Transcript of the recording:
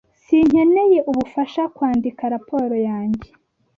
Sinkeneye ubufasha kwandika raporo yanjye.